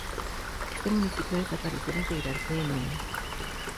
Este municipio desaparece al integrarse en Oña.